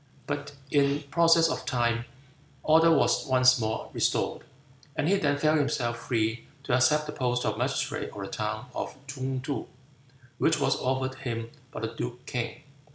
But in process of time order was once more restored, and he then felt himself free to accept the post of magistrate of the town of Chung too, which was offered him by the duke King.